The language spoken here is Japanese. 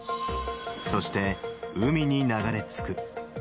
そして、海に流れ着く。